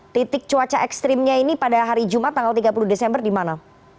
titik cuaca ekstrimnya ini pada hari jumat tanggal tiga puluh desember di mana